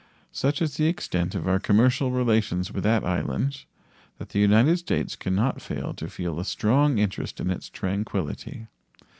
Such is the extent of our commercial relations with that island that the United States can not fail to feel a strong interest in its tranquillity.